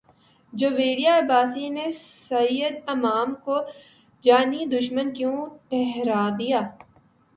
جویریہ عباسی نے سعدیہ امام کو جانی دشمن کیوں ٹھہرا دیا